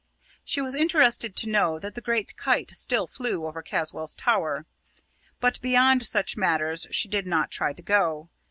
She was interested to know that the great kite still flew from Caswall's tower. But beyond such matters she did not try to go.